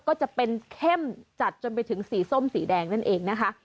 ก็จะเป็นเข้มจัดจนไปถึงสีส้มสีแดงนั่นเองนะคะ